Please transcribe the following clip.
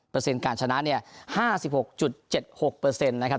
เปอร์เซ็นต์การชนะเนี่ยห้าสิบหกจุดเจ็ดหกเปอร์เซ็นต์นะครับ